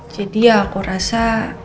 jadi ya aku rasa